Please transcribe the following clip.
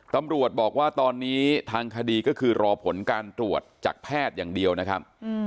ตำรวจบอกว่าตอนนี้ทางคดีก็คือรอผลการตรวจจากแพทย์อย่างเดียวนะครับ